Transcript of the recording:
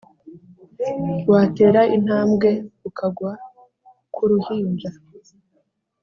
watera intambwe ukagwa ku ruhinja